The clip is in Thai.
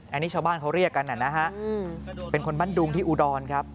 อันนี้ชาวบ้านเขาเรียกกันนะฮะเป็นคนบ้านดุงที่อุดรครับ